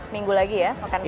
minggu lagi ya makan depan ya